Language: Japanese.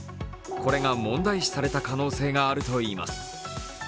これが問題視された可能性があるといいます。